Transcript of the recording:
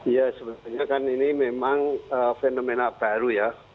ya sebenarnya kan ini memang fenomena baru ya